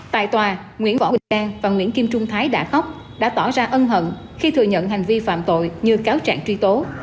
tại tòa nguyễn võ huy trang và nguyễn kim trung thái đã khóc đã tỏ ra ân hận khi thừa nhận hành vi phạm tội như cáo trạng truy tố